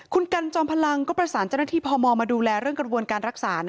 คุณกันจอมพลังก็ประสานเจ้าหน้าที่พมมาดูแลเรื่องกระบวนการรักษา